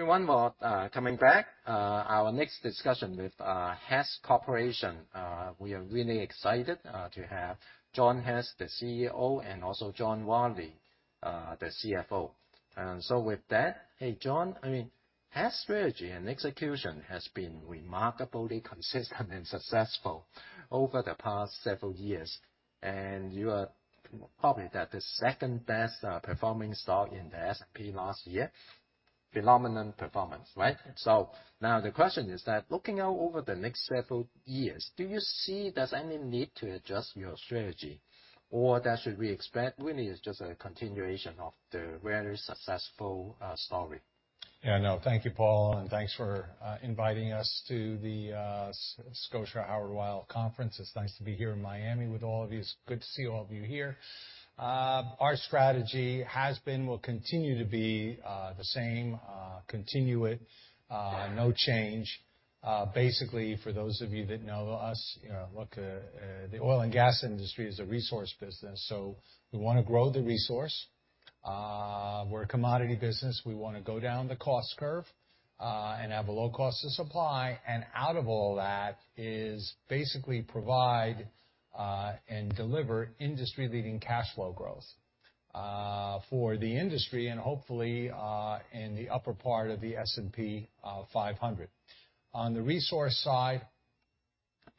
Everyone, we're coming back. Our next discussion with Hess Corporation. We are really excited to have John Hess, the CEO, and also John Rielly, the CFO. With that, hey, John. I mean, Hess strategy and execution has been remarkably consistent and successful over the past several years. You are probably the second-best performing stock in the S&P last year. Phenomenal performance, right? Yes. Now the question is that looking out over the next several years, do you see there's any need to adjust your strategy? Or that should we expect really it's just a continuation of the very successful story? Yeah, no. Thank you, Paul, and thanks for inviting us to the Scotia Howard Weil Conference. It's nice to be here in Miami with all of you. It's good to see all of you here. Our strategy has been, will continue to be, the same, continue it, no change. Basically, for those of you that know us, you know, look, the oil and gas industry is a resource business, so we wanna grow the resource. We're a commodity business. We wanna go down the cost curve and have a low cost of supply. Out of all that is basically provide and deliver industry-leading cash flow growth for the industry and hopefully in the upper part of the S&P 500. On the resource side,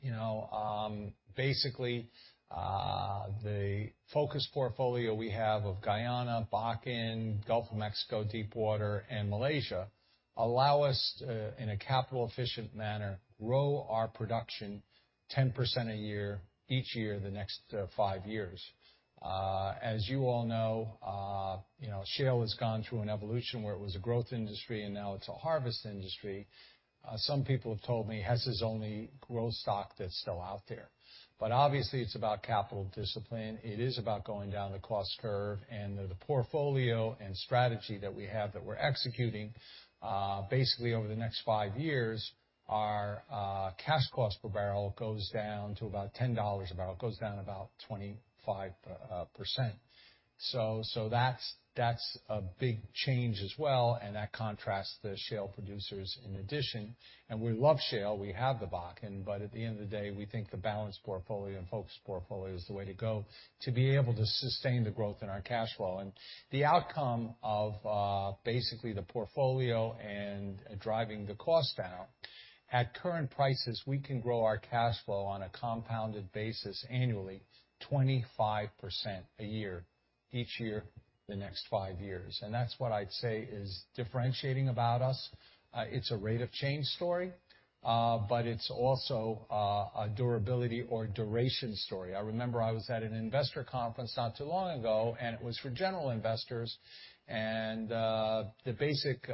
you know, basically, the focus portfolio we have of Guyana, Bakken, Gulf of Mexico, Deepwater, and Malaysia allow us to, in a capital efficient manner, grow our production 10% a year each year the next five years. As you all know, you know, shale has gone through an evolution where it was a growth industry, and now it's a harvest industry. Some people have told me Hess is only growth stock that's still out there. Obviously it's about capital discipline. It is about going down the cost curve. The portfolio and strategy that we have that we're executing, basically over the next five years, our cash cost per barrel goes down to about $10 a barrel. It goes down about 25%. That's a big change as well, and that contrasts the shale producers in addition. We love shale. We have the Bakken. At the end of the day, we think the balanced portfolio and focused portfolio is the way to go to be able to sustain the growth in our cash flow. The outcome of, basically the portfolio and driving the cost down, at current prices, we can grow our cash flow on a compounded basis annually 25% a year each year the next five years. That's what I'd say is differentiating about us. It's a rate of change story, but it's also, a durability or duration story. I remember I was at an investor conference not too long ago, and it was for general investors. The basic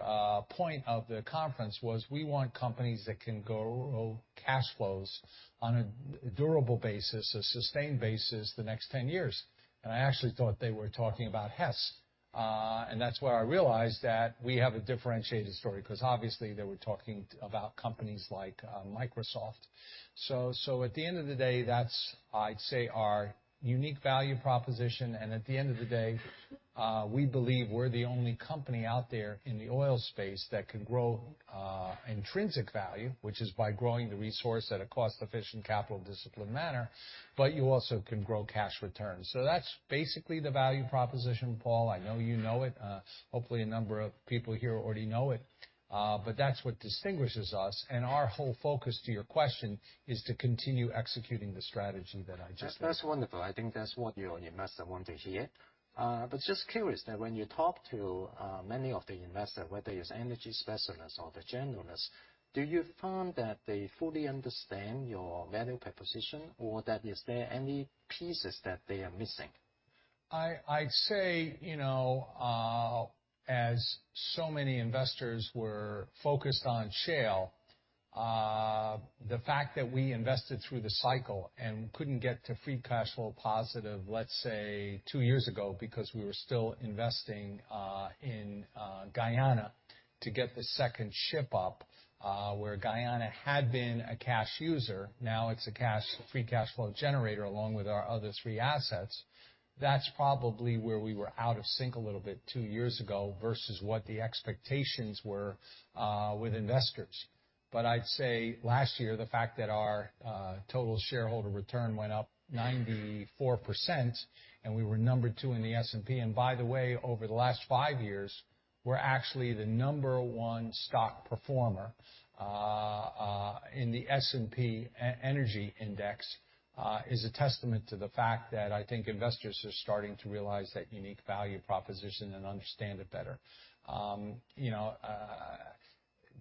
point of the conference was we want companies that can grow cash flows on a durable basis, a sustained basis the next 10 years. I actually thought they were talking about Hess. That's where I realized that we have a differentiated story, 'cause obviously they were talking about companies like Microsoft. At the end of the day, that's, I'd say, our unique value proposition. At the end of the day, we believe we're the only company out there in the oil space that can grow intrinsic value, which is by growing the resource at a cost-efficient, capital discipline manner, but you also can grow cash returns. That's basically the value proposition, Paul. I know you know it. Hopefully, a number of people here already know it. But that's what distinguishes us. Our whole focus, to your question, is to continue executing the strategy that I just mentioned. That's wonderful. I think that's what your investor want to hear. Just curious that when you talk to, many of the investor, whether it's energy specialists or the generalists, do you find that they fully understand your value proposition or that is there any pieces that they are missing? I'd say, you know, as so many investors were focused on shale, the fact that we invested through the cycle and couldn't get to free cash flow positive, let's say two years ago, because we were still investing in Guyana to get the second ship up. Where Guyana had been a cash user, now it's a free cash flow generator along with our other three assets. That's probably where we were out of sync a little bit two years ago versus what the expectations were with investors. I'd say last year, the fact that our total shareholder return went up 94% and we were number two in the S&P. By the way, over the last five years, we're actually the number one stock performer in the S&P E&P Energy Index, is a testament to the fact that I think investors are starting to realize that unique value proposition and understand it better. You know,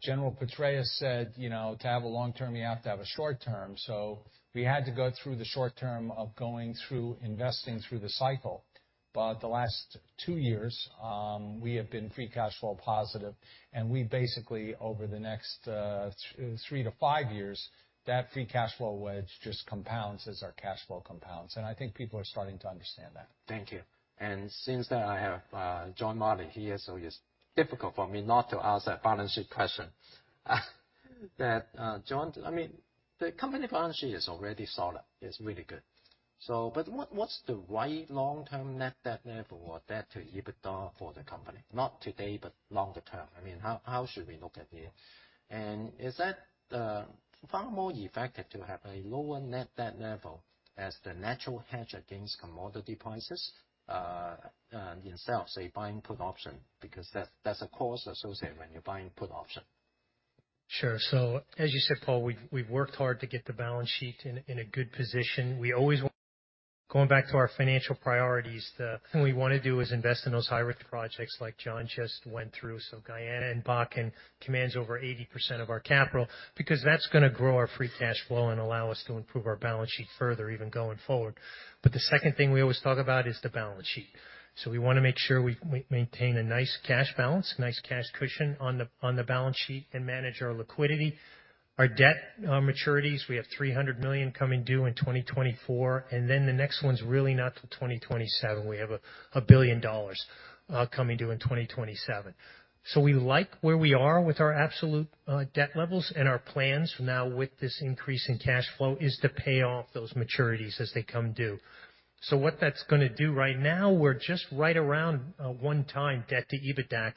General Petraeus said, you know, "To have a long term, you have to have a short term." We had to go through the short term of going through investing through the cycle. The last two years, we have been free cash flow positive. We basically, over the next 3-5 years, that free cash flow wedge just compounds as our cash flow compounds. I think people are starting to understand that. Thank you. Since I have John Rielly here, so it's difficult for me not to ask a balance sheet question. That, John, I mean, the company financial is already solid. It's really good. What's the right long-term net debt level or debt to EBITDA for the company? Not today, but longer term. I mean, how should we look at it? Is that far more effective to have a lower net debt level as the natural hedge against commodity prices instead of say, buying put option? Because that's a cost associated when you're buying put option. As you said, Paul, we've worked hard to get the balance sheet in a good position. Going back to our financial priorities, the thing we wanna do is invest in those high-risk projects like John just went through. Guyana and Bakken commands over 80% of our capital, because that's gonna grow our free cash flow and allow us to improve our balance sheet further, even going forward. The second thing we always talk about is the balance sheet. We wanna make sure we maintain a nice cash balance, nice cash cushion on the balance sheet and manage our liquidity. Our debt, our maturities, we have $300 million coming due in 2024, and then the next one's really not till 2027. We have $1 billion coming due in 2027. We like where we are with our absolute debt levels, and our plans now with this increase in cash flow is to pay off those maturities as they come due. What that's gonna do right now, we're just right around 1 time debt to EBITDA.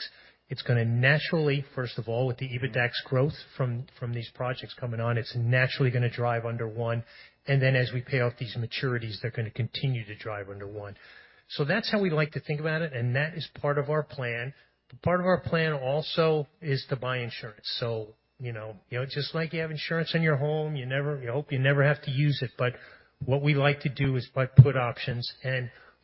It's gonna naturally, first of all, with the EBITDA's growth from these projects coming on, it's naturally gonna drive under 1. As we pay off these maturities, they're gonna continue to drive under 1. That's how we like to think about it, and that is part of our plan. Part of our plan also is to buy insurance. You know, just like you have insurance on your home, you never, you hope you never have to use it. What we like to do is buy put options.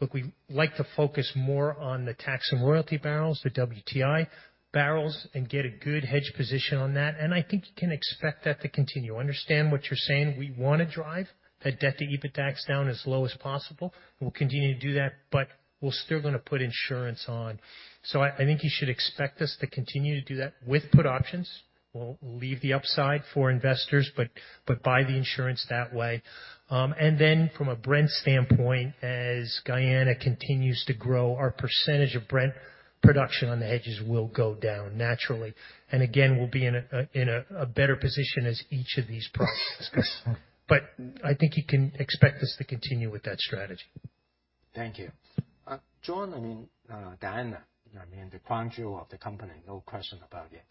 Look, we like to focus more on the tax and royalty barrels, the WTI barrels, and get a good hedge position on that. I think you can expect that to continue. Understand what you're saying, we wanna drive that debt to EBITDA down as low as possible, and we'll continue to do that, but we're still gonna put insurance on. I think you should expect us to continue to do that with put options. We'll leave the upside for investors, but buy the insurance that way. From a Brent standpoint, as Guyana continues to grow, our percentage of Brent production on the hedges will go down naturally. Again, we'll be in a better position as each of these processes. I think you can expect us to continue with that strategy. Thank you. John, Guyana, the crown jewel of the company, no question about it.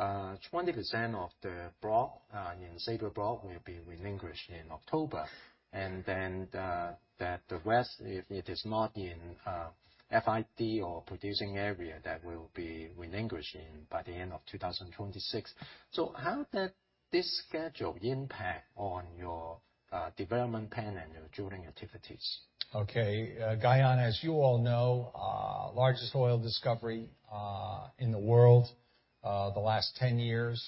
20% of the block in the Stabroek Block will be relinquished in October, the rest, if it is not in FID or producing area, that will be relinquished by the end of 2026. How did this schedule impact on your development plan and your drilling activities? Okay. Guyana, as you all know, largest oil discovery in the world, the last 10 years.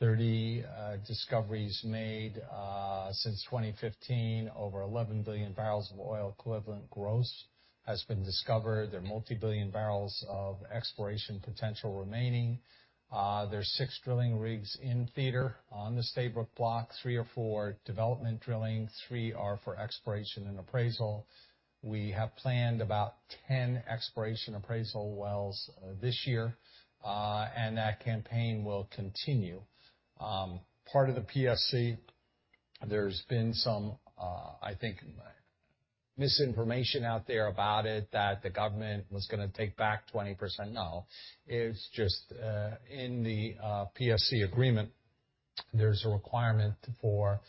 30 discoveries made since 2015. Over 11 billion barrels of oil equivalent gross has been discovered. There are multi-billion barrels of exploration potential remaining. There's six drilling rigs in theater on the Stabroek Block, three or four development drilling, three are for exploration and appraisal. We have planned about 10 exploration appraisal wells this year, and that campaign will continue. Part of the PSC, there's been some, I think, misinformation out there about it that the government was gonna take back 20%. No. It's just, in the PSC agreement, there's a requirement for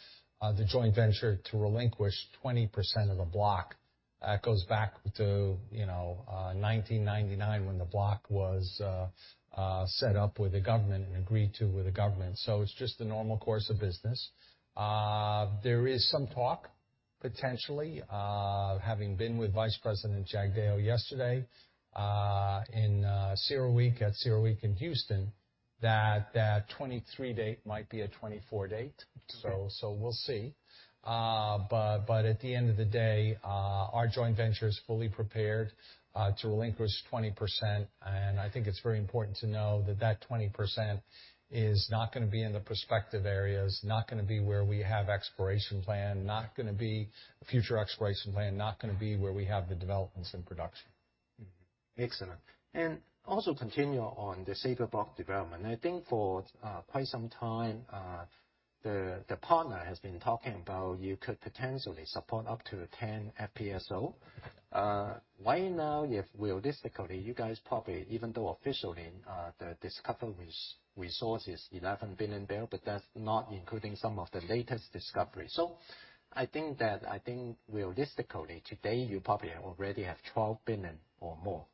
the joint venture to relinquish 20% of the block. That goes back to, you know, 1999 when the block was set up with the government and agreed to with the government. It's just the normal course of business. There is some talk potentially, having been with Vice President Jagdeo yesterday, in CERAWeek, at CERAWeek in Houston, that that 23 date might be a 24 date. Okay. We'll see. At the end of the day, our joint venture is fully prepared to relinquish 20%, and I think it's very important to know that that 20% is not gonna be in the prospective areas, not gonna be where we have exploration plan, not gonna be a future exploration plan, not gonna be where we have the developments in production. Excellent. Also continue on the Stabroek Block development. I think for quite some time, the partner has been talking about you could potentially support up to 10 FPSO. Right now, if realistically, you guys probably, even though officially, the discovery resource is 11 billion barrel, but that's not including some of the latest discoveries. I think that, I think realistically, today, you probably already have 12 billion or more.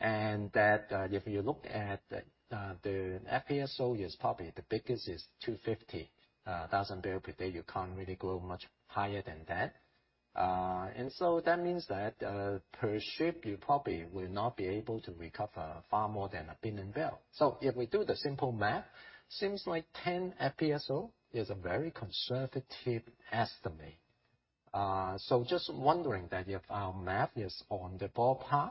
That, if you look at the FPSO is probably the biggest is 250,000 barrel per day. You can't really grow much higher than that. That means that, per ship, you probably will not be able to recover far more than 1 billion barrel. If we do the simple math, seems like 10 FPSO is a very conservative estimate. Just wondering that if our math is on the ballpark,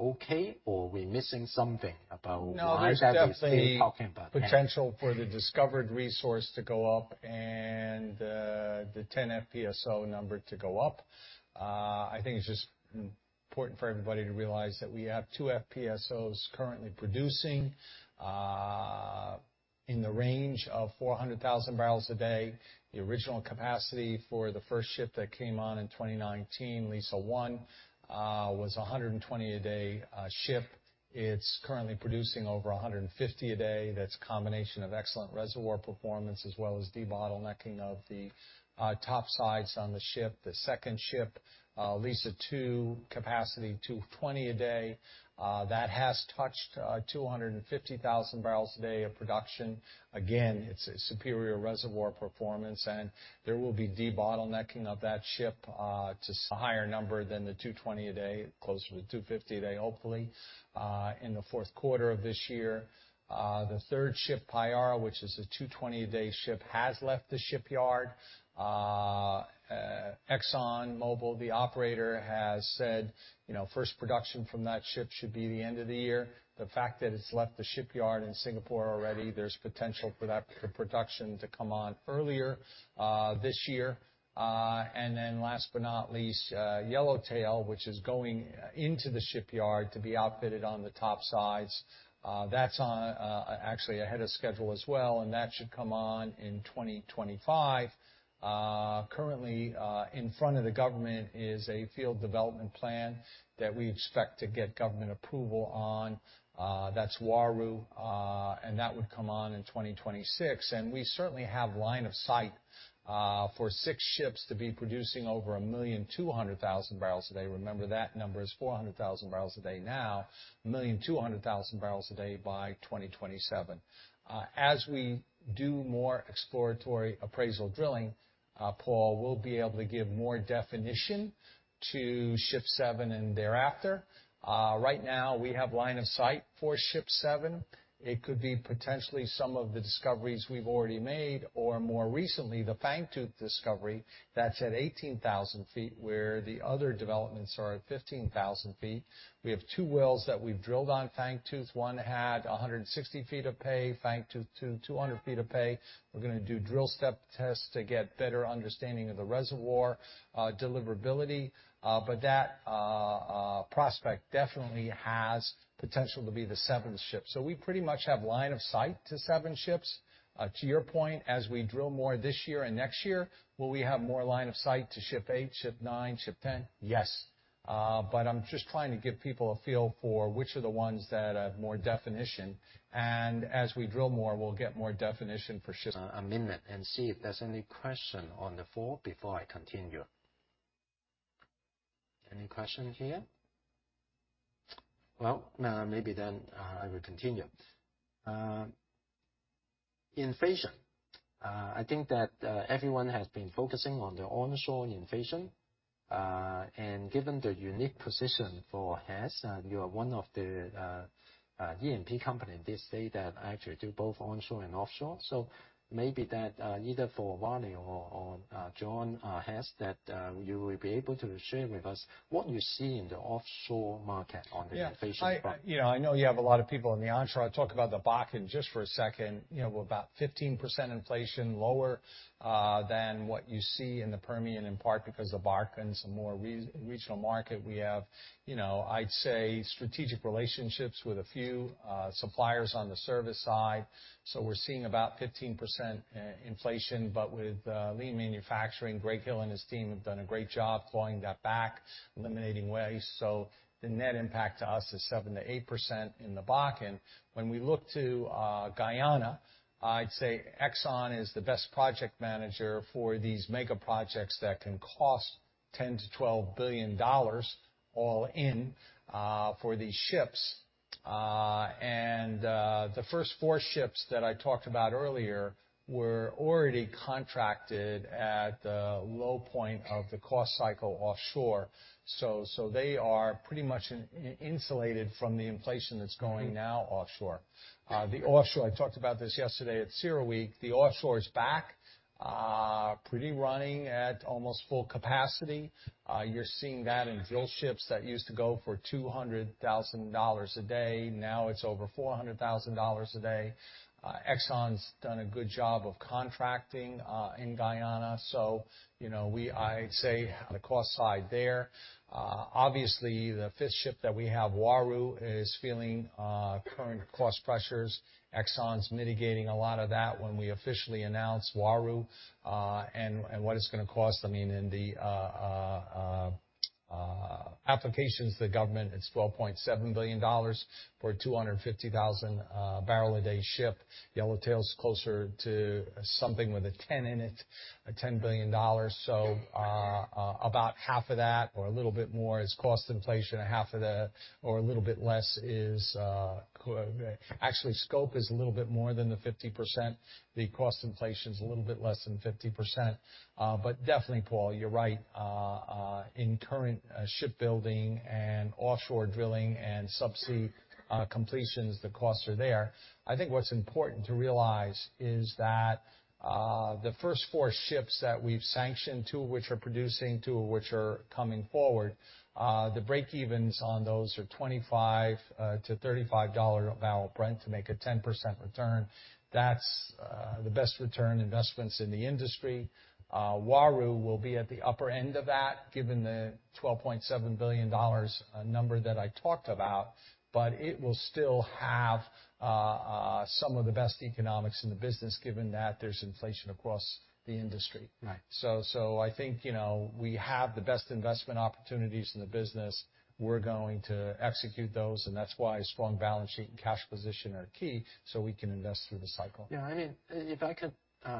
okay, or we're missing something about why that is still talking about that? No, there's definitely potential for the discovered resource to go up and the 10 FPSO number to go up. I think it's just important for everybody to realize that we have two FPSOs currently producing. In the range of 400,000 barrels a day. The original capacity for the first ship that came on in 2019, Liza One, was 120 a day ship. It's currently producing over 150 a day. That's a combination of excellent reservoir performance as well as debottlenecking of the top sides on the ship. The second ship, Liza Two, capacity 220 a day, that has touched 250,000 barrels a day of production. Again, it's a superior reservoir performance, and there will be debottlenecking of that ship to higher number than the 220 a day, closer to 250 a day, hopefully, in the fourth quarter of this year. The third ship, Payara, which is a 220 a day ship, has left the shipyard. ExxonMobil, the operator, has said, you know, first production from that ship should be the end of the year. The fact that it's left the shipyard in Singapore already, there's potential for that, for production to come on earlier this year. Last but not least, Yellowtail, which is going into the shipyard to be outfitted on the top sides. That's on actually ahead of schedule as well, and that should come on in 2025. Currently, in front of the government is a field development plan that we expect to get government approval on, that's Uaru, and that would come on in 2026. We certainly have line of sight for six ships to be producing over 1.2 million barrels a day. Remember that number is 400,000 barrels a day now, 1.2 million barrels a day by 2027. As we do more exploratory appraisal drilling, Paul, we'll be able to give more definition to ship seven and thereafter. Right now we have line of sight for ship seven. It could be potentially some of the discoveries we've already made, or more recently, the Fangtooth discovery that's at 18,000 feet, where the other developments are at 15,000 feet. We have two wells that we've drilled on Fangtooth. One had 160 feet of pay. Fangtooth. 200 feet of pay. We're gonna do drill step tests to get better understanding of the reservoir deliverability. That prospect definitely has potential to be the seventh ship. We pretty much have line of sight to seven ships. To your point, as we drill more this year and next year, will we have more line of sight to ship eight, ship nine, ship 10? Yes. I'm just trying to give people a feel for which are the ones that have more definition. As we drill more, we'll get more definition for ship. One minute and see if there's any question on the floor before I continue. Any question here? Well, maybe I will continue. Inflation, I think that everyone has been focusing on the onshore inflation. Given the unique position for Hess, you are one of the E&P company this day that actually do both onshore and offshore. Maybe that either for Ronnie or John Hess that you will be able to share with us what you see in the offshore market on the inflation front. Yeah. I, you know, I know you have a lot of people in the onshore. I'll talk about the Bakken just for a second. You know, we're about 15% inflation lower than what you see in the Permian, in part because of Bakken. It's a more re-regional market. We have, you know, I'd say, strategic relationships with a few suppliers on the service side, so we're seeing about 15% inflation. With lean manufacturing, Greg Hill and his team have done a great job clawing that back, eliminating waste. The net impact to us is 7%-8% in the Bakken. When we look to Guyana, I'd say Exxon is the best project manager for these mega-projects that can cost $10 billion-$12 billion all in for these ships. The first four ships that I talked about earlier were already contracted at the low point of the cost cycle offshore. They are pretty much insulated from the inflation that's going now offshore. The offshore, I talked about this yesterday at CERAWeek, the offshore is back, pretty running at almost full capacity. You're seeing that in drill ships that used to go for $200,000 a day, now it's over $400,000 a day. Exxon's done a good job of contracting in Guyana. I'd say on the cost side there, obviously the fifth ship that we have, Uaru, is feeling current cost pressures. Exxon's mitigating a lot of that when we officially announce Uaru, what it's gonna cost. I mean, in the applications to the government, it's $12.7 billion for a 250,000 barrel a day ship. Yellowtail's closer to something with a 10 in it, a $10 billion. About half of that or a little bit more is cost inflation. Half of the or a little bit less is. Actually, scope is a little bit more than the 50%. The cost inflation is a little bit less than 50%. Definitely, Paul, you're right. In current shipbuilding and offshore drilling and subsea completions, the costs are there. I think what's important to realize is that, the first four ships that we've sanctioned, two of which are producing, two of which are coming forward, the breakevens on those are $25-$35 a barrel Brent to make a 10% return. That's the best return investments in the industry. Uaru will be at the upper end of that given the $12.7 billion, number that I talked about. It will still have, some of the best economics in the business given that there's inflation across the industry. Right. I think, you know, we have the best investment opportunities in the business. We're going to execute those, and that's why a strong balance sheet and cash position are key, so we can invest through the cycle. Yeah. I mean, if I could,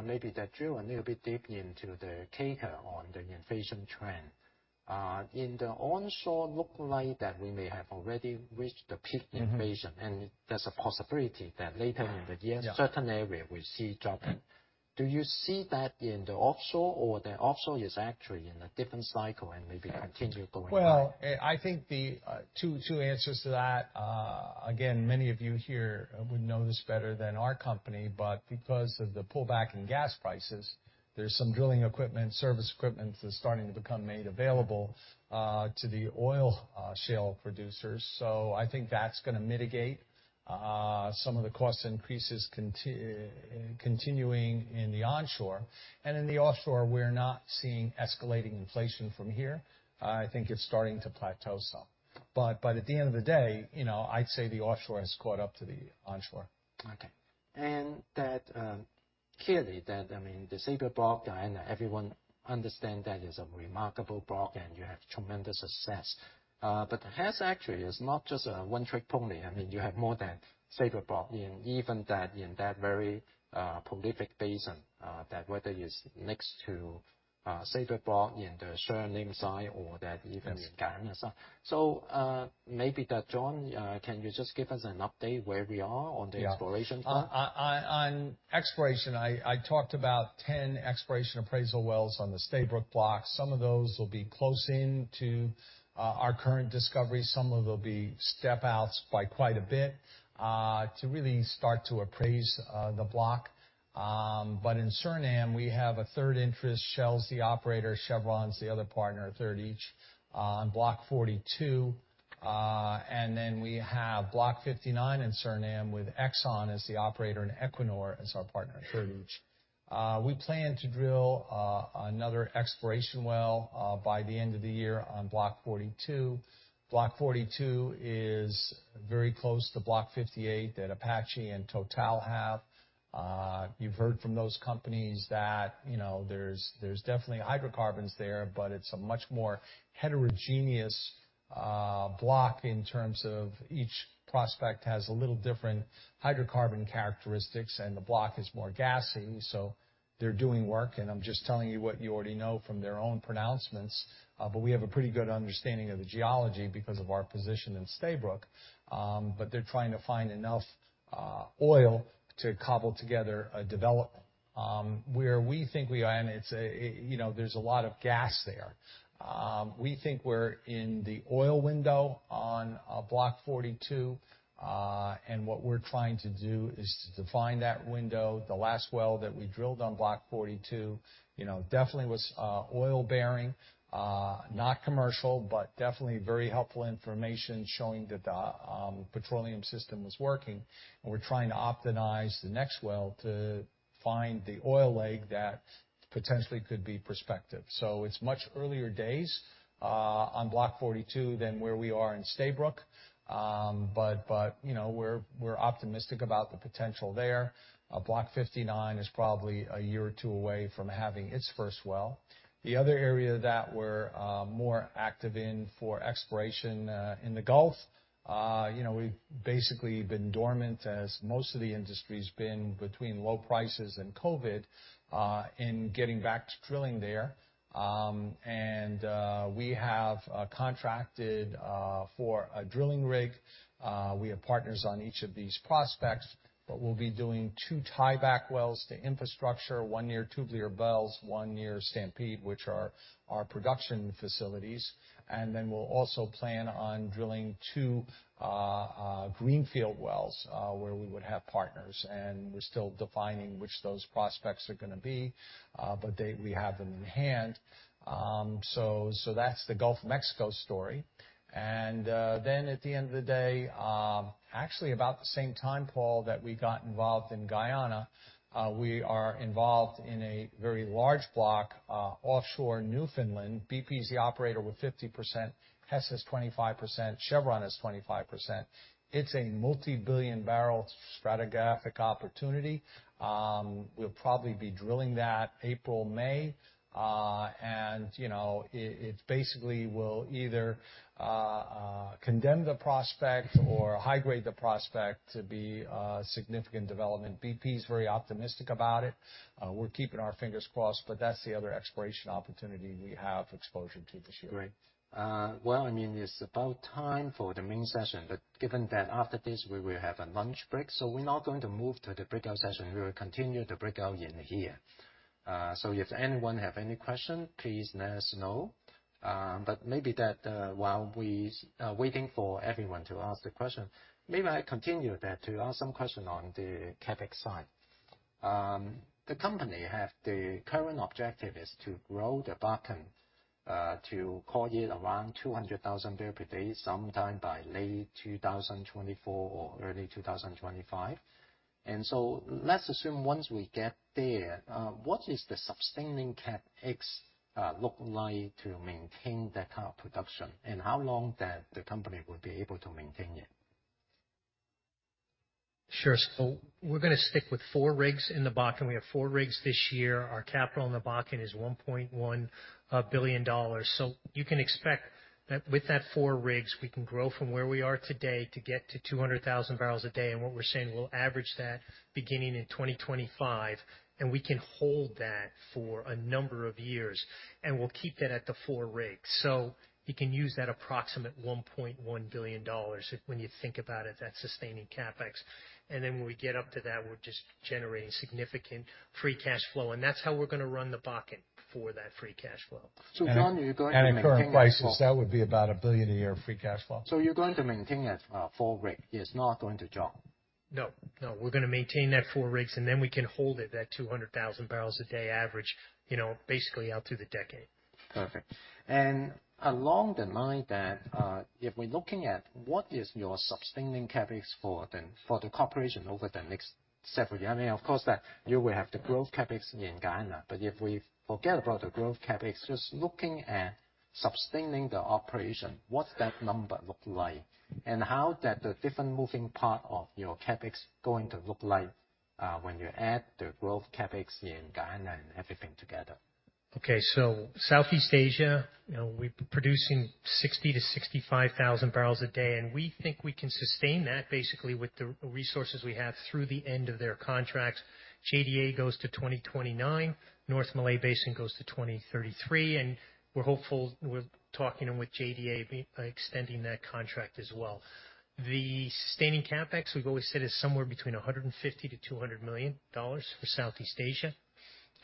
maybe dig through a little bit deep into the crater on the inflation trend. In the onshore look like that we may have already reached the peak inflation. Mm-hmm. There's a possibility that later in the year. Yeah ...certain area will see drop. Do you see that in the offshore, or the offshore is actually in a different cycle and maybe continue going like? Well, I think the two answers to that. Again, many of you here would know this better than our company, but because of the pullback in gas prices, there's some drilling equipment, service equipment that's starting to become made available to the oil shale producers. I think that's gonna mitigate some of the cost increases continuing in the onshore. In the offshore, we're not seeing escalating inflation from here. I think it's starting to plateau some. At the end of the day, you know, I'd say the offshore has caught up to the onshore. That, clearly that, I mean, the Stabroek Block, I know everyone understand that is a remarkable block and you have tremendous success. Hess actually is not just a one-trick pony. I mean, you have more than Stabroek Block. Even that, in that very prolific basin, that whether it's next to Stabroek Block in the Suriname side or that even Guyana side. Maybe that John, can you just give us an update where we are on the exploration front? On exploration, I talked about 10 exploration appraisal wells on the Stabroek Block. Some of those will be close in to our current discovery. Some of them will be step outs by quite a bit to really start to appraise the block. In Suriname, we have a third interest. Shell's the operator. Chevron's the other partner, a third each, on Block 42. We have Block 59 in Suriname with Exxon as the operator and Equinor as our partner, a third each. We plan to drill another exploration well by the end of the year on Block 42. Block 42 is very close to Block 58 that Apache and TotalEnergies have. You've heard from those companies that, you know, there's definitely hydrocarbons there, but it's a much more heterogeneous block in terms of each prospect has a little different hydrocarbon characteristics, and the block is more gassy, so they're doing work. I'm just telling you what you already know from their own pronouncements. We have a pretty good understanding of the geology because of our position in Stabroek. They're trying to find enough oil to cobble together a development. Where we think we are, and it's, you know, there's a lot of gas there. We think we're in the oil window on Block 42. What we're trying to do is to define that window. The last well that we drilled on Block 42, you know, definitely was oil-bearing. Not commercial, definitely very helpful information showing that the petroleum system was working. We're trying to optimize the next well to find the oil leg that potentially could be prospective. It's much earlier days on Block 42 than where we are in Stabroek. You know, we're optimistic about the potential there. Block 59 is probably a year or two away from having its first well. The other area that we're more active in for exploration in the Gulf, you know, we've basically been dormant as most of the industry's been between low prices and COVID in getting back to drilling there. We have contracted for a drilling rig. We have partners on each of these prospects, we'll be doing two tieback wells to infrastructure, one near Tubular Bells, on two near Stampede, which are our production facilities. We'll also plan on drilling two greenfield wells, where we would have partners. We're still defining which those prospects are gonna be, we have them in hand. That's the Gulf of Mexico story. At the end of the day, actually about the same time, Paul, that we got involved in Guyana, we are involved in a very large block, offshore Newfoundland. bp's the operator with 50%, Hess has 25%, Chevron has 25%. It's a multi-billion barrel stratigraphic opportunity. We'll probably be drilling that April, May. You know, it's basically will either condemn the prospect or high grade the prospect to be a significant development. bp's very optimistic about it. We're keeping our fingers crossed. That's the other exploration opportunity we have exposure to this year. Great. Well, I mean, it's about time for the main session, given that after this we will have a lunch break, we're not going to move to the breakout session. We will continue the breakout in here. If anyone have any question, please let us know. Maybe that, while we waiting for everyone to ask the question, maybe I continue that to ask some question on the CapEx side. The company have the current objective is to grow the Bakken, to call it around 200,000 barrel per day, sometime by late 2024 or early 2025. Let's assume once we get there, what is the sustaining CapEx look like to maintain that kind of production? How long that the company will be able to maintain it? Sure. We're gonna stick with 4 rigs in the Bakken. We have 4 rigs this year. Our capital in the Bakken is $1.1 billion. You can expect that with that 4 rigs, we can grow from where we are today to get to 200,000 barrels a day. What we're saying, we'll average that beginning in 2025, and we can hold that for a number of years, and we'll keep that at the 4 rigs. You can use that approximate $1.1 billion when you think about it, that's sustaining CapEx. When we get up to that, we're just generating significant free cash flow, and that's how we're gonna run the Bakken for that free cash flow. John, you're going to maintain. At current prices, that would be about $1 billion a year free cash flow. You're going to maintain that 4 rig. It's not going to drop. No, no. We're gonna maintain that four rigs, and then we can hold it at 200,000 barrels a day average, you know, basically out through the decade. Perfect. Along the line then, if we're looking at what is your sustaining CapEx for the corporation over the next several years? I mean, of course that you will have the growth CapEx in Guyana, but if we forget about the growth CapEx, just looking at sustaining the operation, what's that number look like? How that the different moving part of your CapEx going to look like when you add the growth CapEx in Guyana and everything together? Southeast Asia, you know, we're producing 60,000-65,000 barrels a day. We think we can sustain that basically with the resources we have through the end of their contracts. JDA goes to 2029, North Malay Basin goes to 2033. We're hopeful, we're talking with JDA be extending that contract as well. The sustaining CapEx we've always said is somewhere between $150 million-$200 million for Southeast Asia.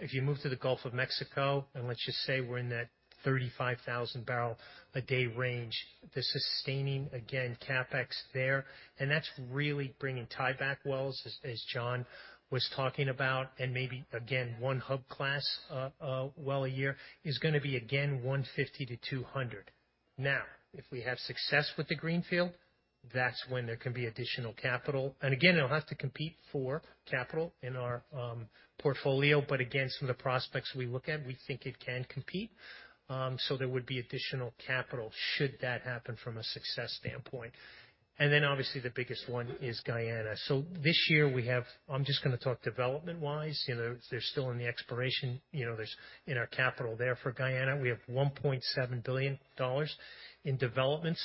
If you move to the Gulf of Mexico, let's just say we're in that 35,000 barrel a day range, the sustaining, again, CapEx there. That's really bringing tieback wells as John was talking about. Maybe again, 1 hub class well a year is gonna be again, $150 million-$200 million. Now, if we have success with the greenfield, that's when there can be additional capital. Again, it'll have to compete for capital in our portfolio, but again, some of the prospects we look at, we think it can compete. There would be additional capital should that happen from a success standpoint. Obviously the biggest one is Guyana. This year we have... I'm just gonna talk development-wise. You know, they're still in the exploration, you know, there's in our capital there for Guyana, we have $1.7 billion in developments.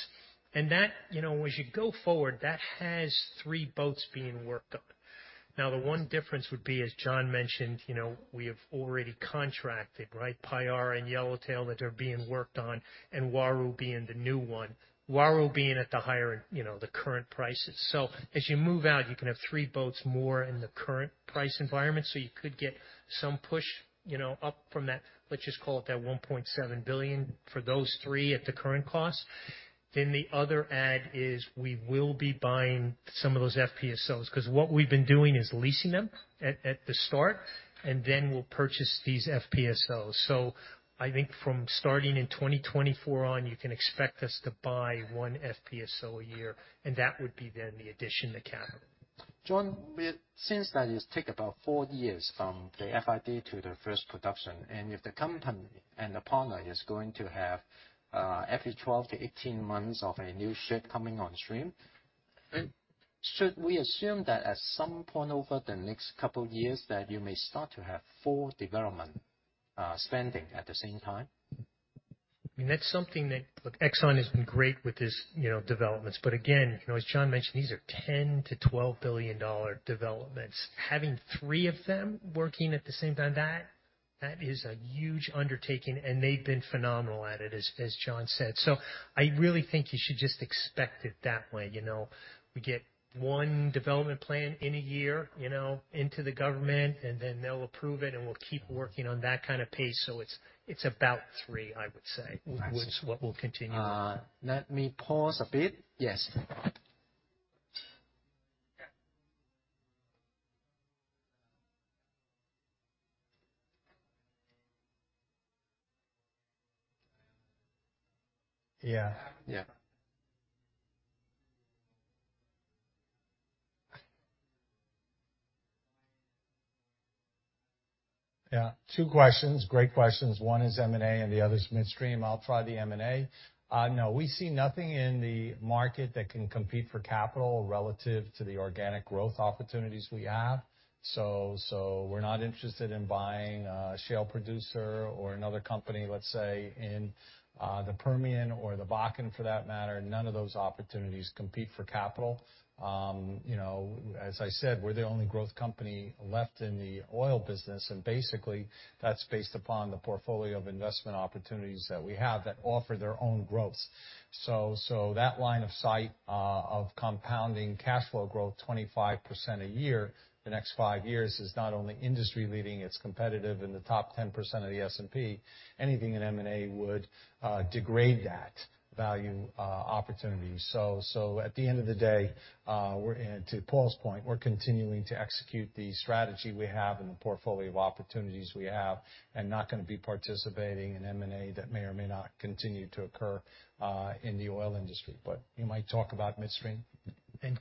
That, you know, as you go forward, that has three boats being worked on. Now, the one difference would be, as John mentioned, you know, we have already contracted, right? Payara and Yellowtail that are being worked on, and Uaru being the new one. Uaru being at the higher, you know, the current prices. As you move out, you can have 3 boats more in the current price environment, so you could get some push, you know, up from that, let's just call it that $1.7 billion for those 3 at the current cost. The other add is we will be buying some of those FPSOs, 'cause what we've been doing is leasing them at the start, and then we'll purchase these FPSOs. I think from starting in 2024 on, you can expect us to buy 1 FPSO a year, and that would be then the addition to capital. John, since that it take about four years from the FID to the first production, and if the company and the partner is going to have, every 12 to 18 months of a new ship coming on stream. Mm. Should we assume that at some point over the next couple years, that you may start to have full development spending at the same time? I mean, that's something that, look, Exxon has been great with this, you know, developments. Again, you know, as John mentioned, these are $10 billion-$12 billion developments. Having three of them working at the same time, that is a huge undertaking, and they've been phenomenal at it, as John said. I really think you should just expect it that way. You know, we get one development plan in a year, you know, into the government, then they'll approve it, and we'll keep working on that kind of pace. It's about three, I would say. I see. which is what we'll continue with. Let me pause a bit. Yes. Yeah. Yeah. Two questions. Great questions. One is M&A and the other is midstream. I'll try the M&A. No, we see nothing in the market that can compete for capital relative to the organic growth opportunities we have. We're not interested in buying a shale producer or another company, let's say in the Permian or the Bakken for that matter. None of those opportunities compete for capital. You know, as I said, we're the only growth company left in the oil business, and basically that's based upon the portfolio of investment opportunities that we have that offer their own growth. That line of sight of compounding cash flow growth 25% a year the next 5 years is not only industry leading, it's competitive in the top 10% of the S&P. Anything in M&A would degrade that value opportunity. At the end of the day, we're, and to Paul's point, we're continuing to execute the strategy we have and the portfolio of opportunities we have, and not gonna be participating in M&A that may or may not continue to occur, in the oil industry. You might talk about midstream.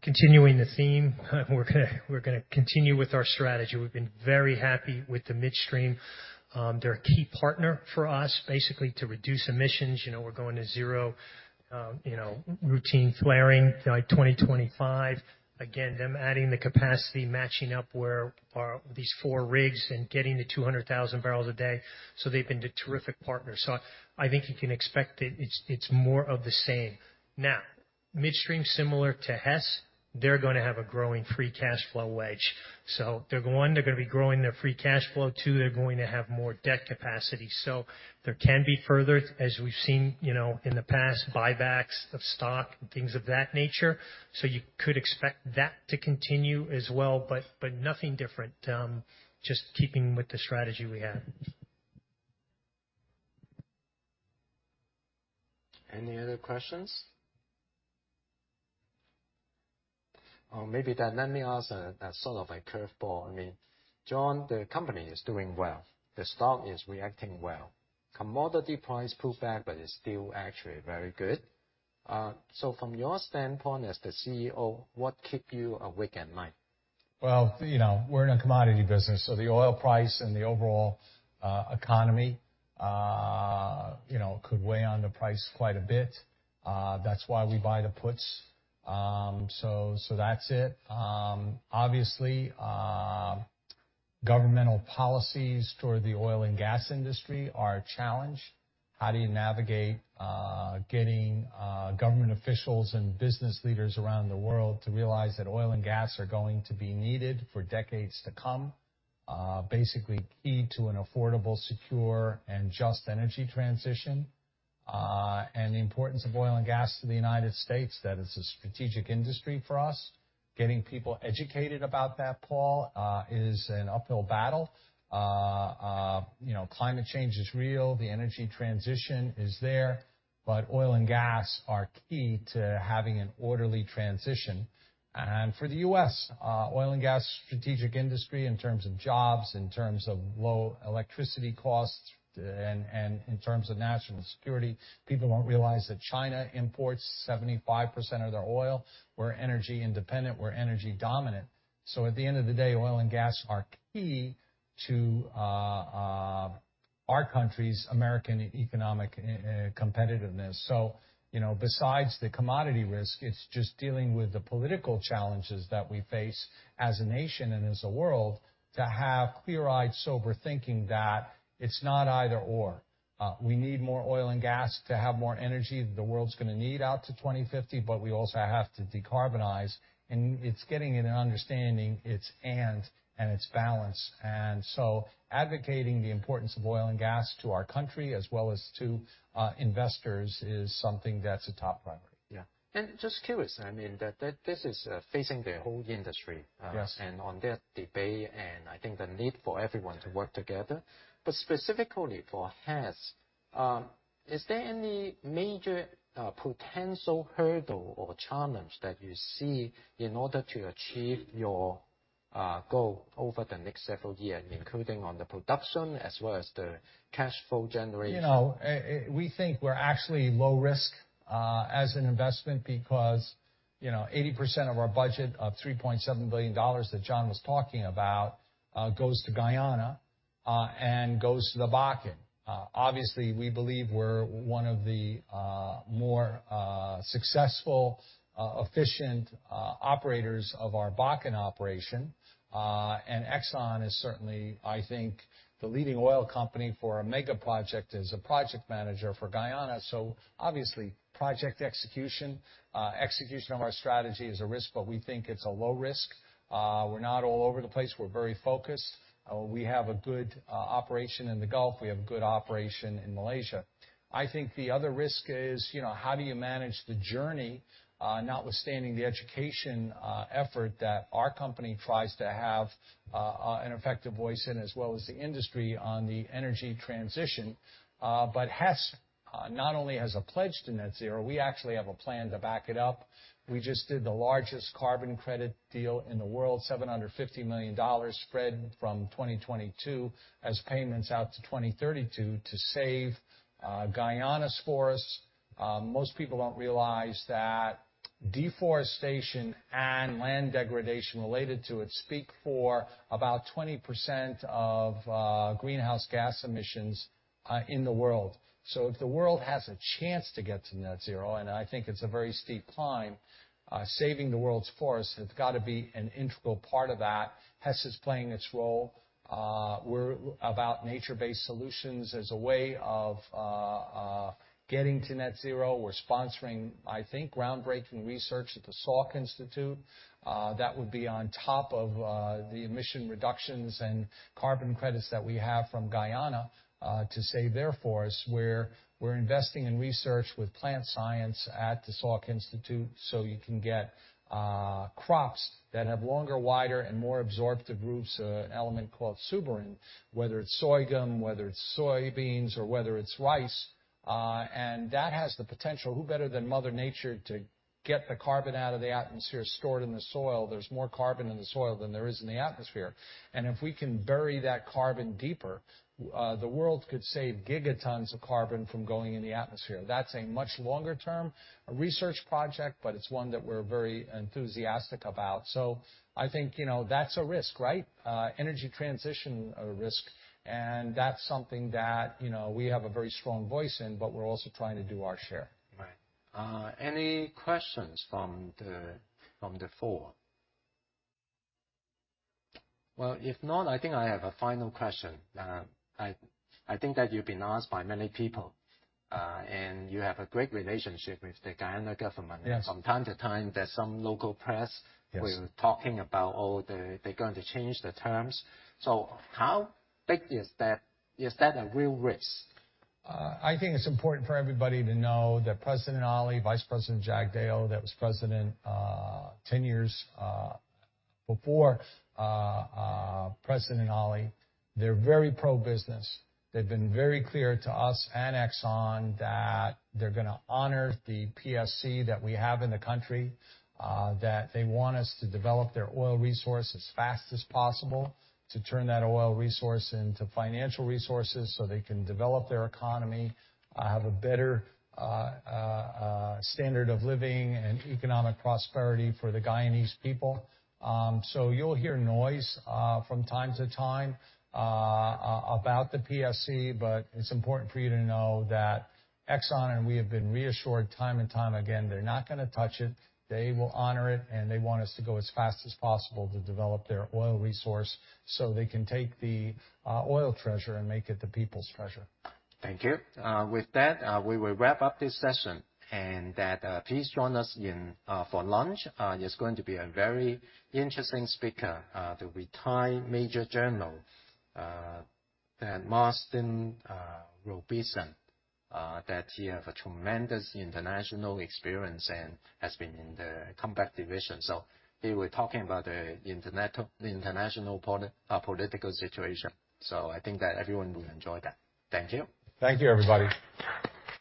Continuing the theme, we're gonna continue with our strategy. We've been very happy with the Midstream. They're a key partner for us, basically to reduce emissions. You know, we're going to zero, you know, routine flaring by 2025. Again, them adding the capacity, matching up where our, these 4 rigs and getting to 200,000 barrels a day. They've been a terrific partner. I think you can expect it's more of the same. Midstream similar to Hess, they're gonna have a growing free cash flow wedge. They're, one, they're gonna be growing their free cash flow. Two, they're going to have more debt capacity. There can be further, as we've seen, you know, in the past, buybacks of stock and things of that nature. You could expect that to continue as well, but nothing different. Just keeping with the strategy we have. Any other questions? Maybe then let me ask a sort of a curveball. I mean, John, the company is doing well. The stock is reacting well. Commodity price pulled back, but it's still actually very good. From your standpoint as the CEO, what keep you awake at night? Well, you know, we're in a commodity business, so the oil price and the overall economy, you know, could weigh on the price quite a bit. That's why we buy the puts. So that's it. Obviously, governmental policies toward the oil and gas industry are a challenge. How do you navigate getting government officials and business leaders around the world to realize that oil and gas are going to be needed for decades to come? Basically key to an affordable, secure and just energy transition. The importance of oil and gas to the United States, that it's a strategic industry for us. Getting people educated about that, Paul, is an uphill battle. You know, climate change is real. The energy transition is there, oil and gas are key to having an orderly transition. For the U.S. oil and gas strategic industry in terms of jobs, in terms of low electricity costs, and in terms of national security, people don't realize that China imports 75% of their oil. We're energy independent, we're energy dominant. At the end of the day, oil and gas are key to our country's American economic competitiveness. You know, besides the commodity risk, it's just dealing with the political challenges that we face as a nation and as a world to have clear-eyed, sober thinking that it's not either/or. We need more oil and gas to have more energy. The world's gonna need out to 2050, but we also have to decarbonize. It's getting an understanding it's and it's balance. advocating the importance of oil and gas to our country as well as to investors is something that's a top priority. Yeah. Just curious, I mean, that this is facing the whole industry. Yes. On that debate, and I think the need for everyone to work together. Specifically for Hess, is there any major potential hurdle or challenge that you see in order to achieve your goal over the next several years, including on the production as well as the cash flow generation? You know, we think we're actually low risk as an investment because, you know, 80% of our budget of $3.7 billion that John was talking about, goes to Guyana and goes to the Bakken. Obviously, we believe we're one of the more successful, efficient operators of our Bakken operation. And Exxon is certainly, I think, the leading oil company for a mega project as a project manager for Guyana. So obviously, project execution of our strategy is a risk, but we think it's a low risk. We're not all over the place. We're very focused. We have a good operation in the Gulf. We have a good operation in Malaysia. I think the other risk is, you know, how do you manage the journey, notwithstanding the education effort that our company tries to have an effective voice in, as well as the industry on the energy transition. Hess not only has a pledge to net zero, we actually have a plan to back it up. We just did the largest carbon credit deal in the world, $750 million spread from 2022 as payments out to 2032 to save Guyana's forests. Most people don't realize that deforestation and land degradation related to it speak for about 20% of greenhouse gas emissions in the world. If the world has a chance to get to net zero, and I think it's a very steep climb, saving the world's forests has gotta be an integral part of that. Hess is playing its role. We're about nature-based solutions as a way of getting to net zero. We're sponsoring, I think, groundbreaking research at the Salk Institute. That would be on top of the emission reductions and carbon credits that we have from Guyana, to save their forests, where we're investing in research with plant science at the Salk Institute, so you can get crops that have longer, wider, and more absorptive roots, an element called suberin, whether it's sorghum, whether it's soybeans, or whether it's rice. That has the potential, who better than Mother Nature to get the carbon out of the atmosphere stored in the soil? There's more carbon in the soil than there is in the atmosphere. If we can bury that carbon deeper, the world could save gigatons of carbon from going in the atmosphere. That's a much longer term research project, but it's one that we're very enthusiastic about. I think, you know, that's a risk, right? Energy transition risk. That's something that, you know, we have a very strong voice in, but we're also trying to do our share. Right. Any questions from the floor? Well, if not, I think I have a final question. I think that you've been asked by many people, and you have a great relationship with the Guyana government. Yes. From time to time, there's some local press... Yes ...who are talking about, oh, they're going to change the terms. How big is that? Is that a real risk? I think it's important for everybody to know that President Ali, Vice President Jagdeo, that was president 10 years before President Ali, they're very pro-business. They've been very clear to us and Exxon that they're gonna honor the PSC that we have in the country, that they want us to develop their oil resources as fast as possible, to turn that oil resource into financial resources so they can develop their economy, have a better standard of living and economic prosperity for the Guyanese people. You'll hear noise from time to time about the PSC, but it's important for you to know that Exxon and we have been reassured time and time again, they're not gonna touch it. They will honor it, and they want us to go as fast as possible to develop their oil resource so they can take the oil treasure and make it the people's treasure. Thank you. With that, we will wrap up this session. Please join us in for lunch. It's going to be a very interesting speaker, the retired Major General Martin Dempsey. That he have a tremendous international experience and has been in the combat division. He will talking about the international political situation. I think that everyone will enjoy that. Thank you. Thank you, everybody.